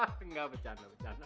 hahaha gak bercanda bercanda